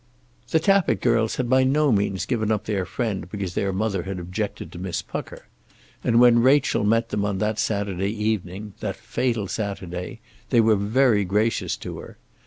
The Tappitt girls had by no means given up their friend because their mother had objected to Miss Pucker; and when Rachel met them on that Saturday evening, that fatal Saturday, they were very gracious to her.